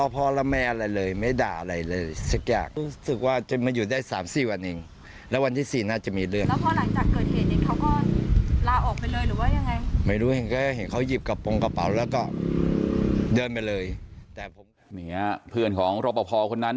เพื่อนของลบบ่อพอร์คนนั้น